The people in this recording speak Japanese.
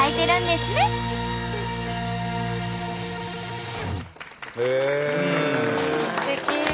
すてき。